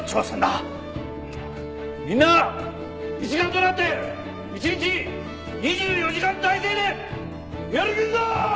みんな一丸となって一日２４時間体制でやりきるぞ！